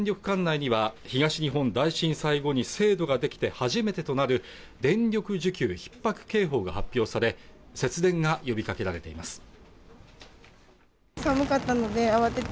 管内には東日本大震災後に制度ができて初めてとなる電力需給ひっ迫警報が発表され節電が呼びかけられています